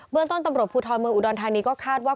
เมืองต้นตำรวจภูทรเมืองอุดรธานีก็คาดว่า